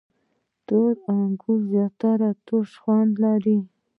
• تور انګور زیاتره تروش خوند لري.